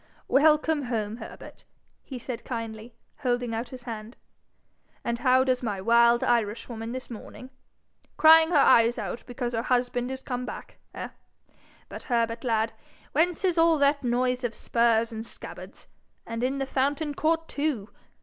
'Welcome home, Herbert!' he said, kindly, holding out his hand. 'And how does my wild Irishwoman this morning? Crying her eyes out because her husband is come back, eh? But, Herbert, lad, whence is all that noise of spurs and scabbards and in the fountain court, too?